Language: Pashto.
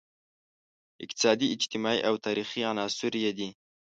اقتصادي، اجتماعي او تاریخي عناصر یې دي.